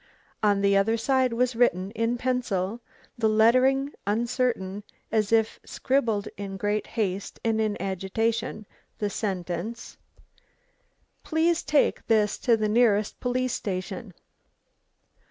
On the other side was written, in pencil, the lettering uncertain, as if scribbled in great haste and in agitation, the sentence, "Please take this to the nearest police station."